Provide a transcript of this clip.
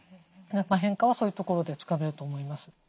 変化はそういうところでつかめると思います。